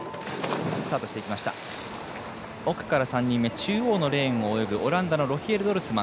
中央のレーンを泳ぐオランダのロヒエル・ドルスマン